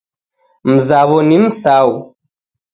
Mzaw'o ni Msau